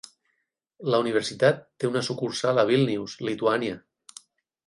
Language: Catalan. La Universitat té una sucursal a Vilnius, Lituània.